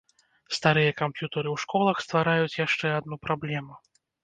Старыя камп'ютары ў школах ствараюць яшчэ адну праблему.